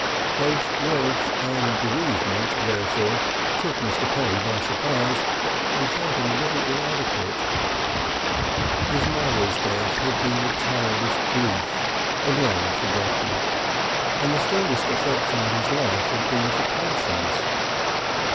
Both wealth and bereavement therefore took Mr. Polly by surprise and found him a little inadequate. His mother's death had been a childish grief and long forgotten, and the strongest affection in his life had been for Parsons.